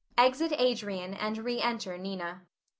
[Exit Adrian and re enter Nina.